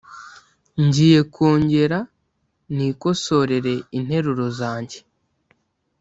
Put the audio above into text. ngiye kongera nikosorere interuro zange